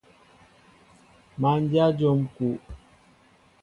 Má ndyă njóm kúw.